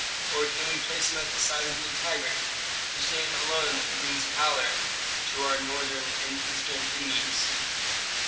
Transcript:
Or can we place him at the side of Nitager, whose name alone brings pallor to our northern and eastern enemies?"